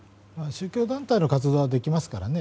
宗教団体の活動はできますからね。